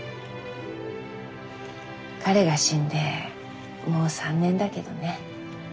彼が死んでもう３年だけどね。